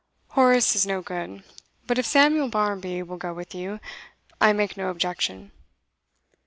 'Horace is no good. But if Samuel Barmby will go with you, I make no objection.